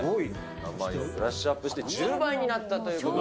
名前をブラッシュアップして１０倍になったということで。